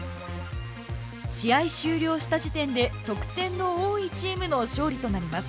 試合終了した時点で得点の多いチームの勝利となります。